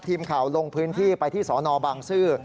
ทีมข่าวลงพื้นที่ไปที่สนบางซื่อ